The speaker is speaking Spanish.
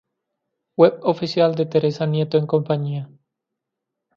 Web oficial de Teresa Nieto en Compañía